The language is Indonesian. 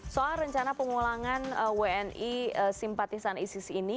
soal rencana pemulangan wni simpatisan isis ini